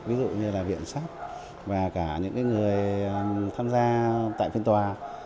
ví dụ như là viện sát và cả những người tham gia tại phiên tòa